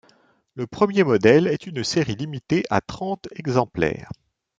Le premier modèle est une série limitée à trente exemplaires.